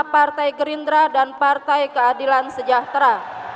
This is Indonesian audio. partai gerindra dan partai keadilan sejahtera